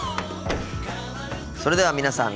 それでは皆さん